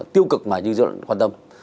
tiêu cực mà dân dân quan tâm